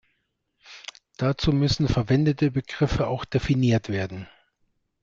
Dazu müssen verwendete Begriffe auch definiert werden.